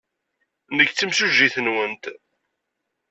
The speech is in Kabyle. Nekk d timsujjit-nwent.